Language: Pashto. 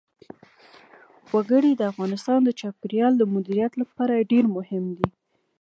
وګړي د افغانستان د چاپیریال د مدیریت لپاره ډېر مهم دي.